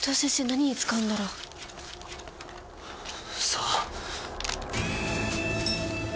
何に使うんだろう？さあ。